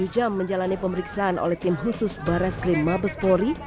tujuh jam menjalani pemeriksaan oleh tim khusus barreskrim mabespori